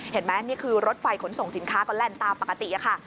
เห็นไหมนี่คือรถไฟขนส่งสินค้าก็แล่นตามปกติค่ะ